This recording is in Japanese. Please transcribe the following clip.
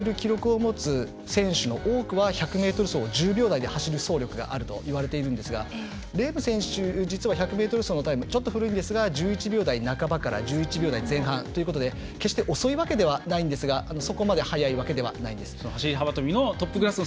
８ｍを超える記録を持つ選手の多くは１００ｍ走を１０秒台で走る走力があるといわれているんですがレーム選手は実は１００ｍ走のタイムちょっと古いんですが１１秒台半ばから１１秒台前半ということで決して遅いわけではないんですがそこまで速いわけではないんです。